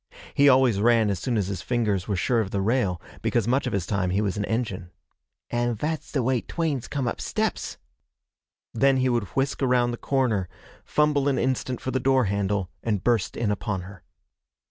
He always ran as soon as his fingers were sure of the rail, because much of his time he was an engine, 'An' vats ve way twains come up steps.' Then he would whisk around the corner, fumble an instant for the door handle, and burst in upon her.